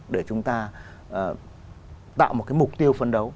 để chúng ta tạo một cái mục tiêu phấn đấu